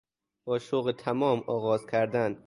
با شوق تمام آغاز کردن